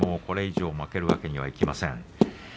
これ以上、負けるわけにはいきません。